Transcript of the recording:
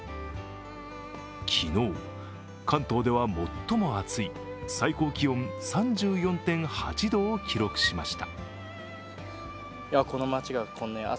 昨日、関東では最も暑い最高気温３４．８度を記録しました。